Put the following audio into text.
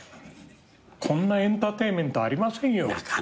こんなエンターテインメントありませんよ。